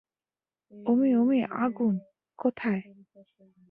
ওমি ওমি আগুন, - কোথায়?